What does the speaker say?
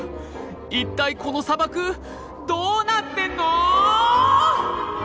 一体この砂漠どうなってんの！